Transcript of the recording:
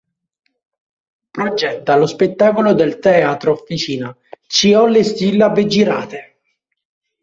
Progetta lo spettacolo del Teatro Officina "Ci ho le sillabe girate!